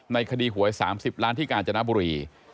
ในคดีหวย๓๐ล้านธจนบุรี